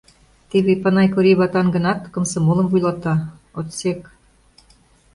Теве Эпанай Кори ватан гынат, комсомолым вуйлата — отсек.